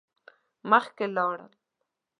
مخکی لاړل.